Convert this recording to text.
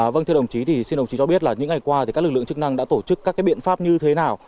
vâng thưa đồng chí thì xin đồng chí cho biết là những ngày qua các lực lượng chức năng đã tổ chức các biện pháp như thế nào